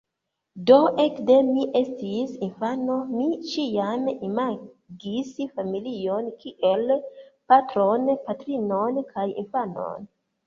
Do, ekde mi estis infano, mi ĉiam imagis familion kiel patron, patrinon kaj infanon.